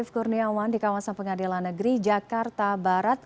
arief kurniawan di kawasan pengadilan negeri jakarta barat